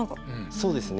そうですね。